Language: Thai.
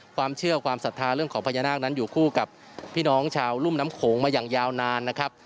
ความเชื่อความศรัทธาเรื่องของพญานาคนั้นอยู่คู่กับพี่น้องชาวรุ่มน้ำโขงมาอย่างยาวนานนะครับ